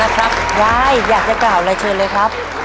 ยายอยากจะกล่าวอะไรเชิญเลยครับ